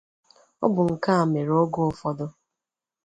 Ọ bụ nke a mere oge ụfọdụ